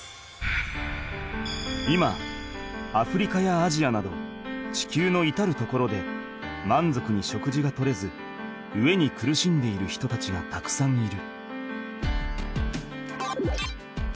今アフリカやアジアなど地球のいたる所でまんぞくに食事が取れず飢えに苦しんでいる人たちがたくさんいる。